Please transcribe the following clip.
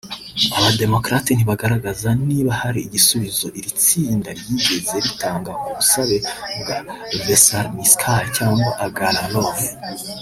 Aba- démocrate ntibagaragaza niba hari igisubizo iri tsinda ryigeze ritanga ku busabe bwa Veselnitskaya cyangwa Agalarov